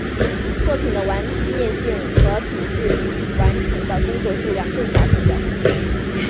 作品的完面性和品质比完成的工作数量更加重要。